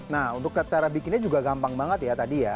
nah untuk cara bikinnya juga gampang banget ya tadi ya